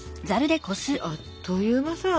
あっという間さ！